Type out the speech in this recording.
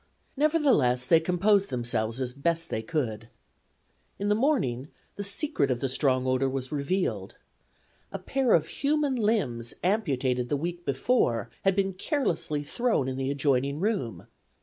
Nevertheless they composed themselves as best as they could. In the morning the secret of the strong odor was revealed. A pair of human limbs amputated the week before had been carelessly thrown in the adjoining room.